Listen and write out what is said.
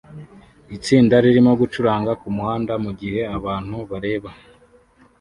Itsinda ririmo gucuranga kumuhanda mugihe abantu bareba